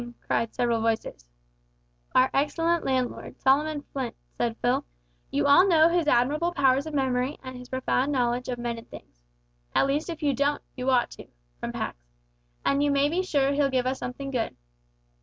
cried several voices. "Our excellent landlord, Solomon Flint," said Phil. "You all know his admirable powers of memory, and his profound knowledge of men and things (`At least if you don't, you ought to,' from Pax), and you may be sure he'll give us something good."